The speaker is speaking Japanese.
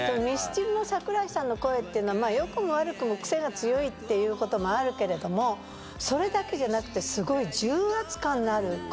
ミスチルの桜井さんの声っていうのは良くも悪くもクセが強いっていうこともあるけれどもそれだけじゃなくてすごい。